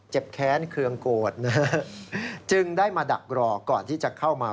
แค้นเครื่องโกรธนะฮะจึงได้มาดักรอก่อนที่จะเข้ามา